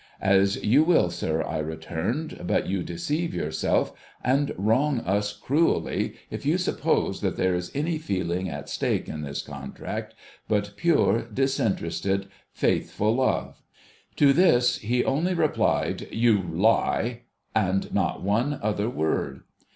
' As you will, sir,' I returned ;' but you deceive yourself, and wrong us, cruelly, if you suppose that there is any feeling at stake in this contract but pure, disinterested, f;iithful love.' To this, he only replied, ' You lie !' and not one other word.